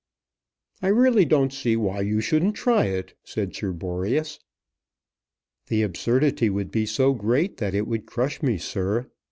"I really don't see why you shouldn't try it," said Sir Boreas. "The absurdity would be so great that it would crush me, sir.